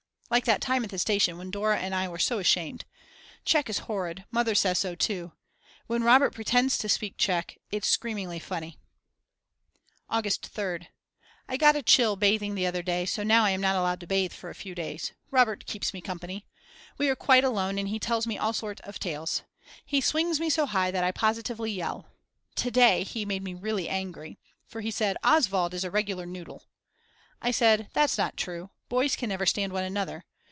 Like that time at the station when Dora and I were so ashamed. Czech is horrid, Mother says so too. When Robert pretends to speak Czech it's screamingly funny. August 3rd. I got a chill bathing the other day so now I am not allowed to bathe for a few days. Robert keeps me company. We are quite alone and he tells me all sorts of tales. He swings me so high that I positively yell. To day he made me really angry, for he said: Oswald is a regular noodle. I said, that's not true, boys can never stand one another.